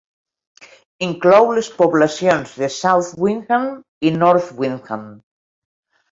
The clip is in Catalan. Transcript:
Inclou les poblacions de South Windham i North Windham.